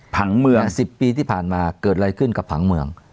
ผังเมือง๑๐ปีที่ผ่านมาเกิดอะไรขึ้นกับผังเมือง